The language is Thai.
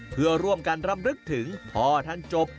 เพื่อร่วมกันรำลึกถึงพ่อท่านจบ